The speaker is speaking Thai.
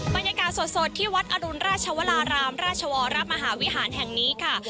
บรรยากาศสดที่วัดอรุณราชวรารามราชวรมหาวิหารแห่งนี้ค่ะ